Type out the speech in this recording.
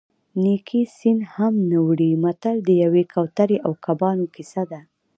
نیکي سین هم نه وړي متل د یوې کوترې او کبانو کیسه ده